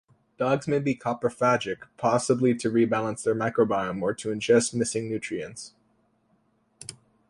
Dogs may be coprophagic, possibly to rebalance their microbiome or to ingest missing nutrients.